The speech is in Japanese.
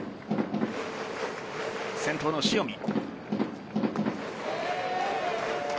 先頭の塩見。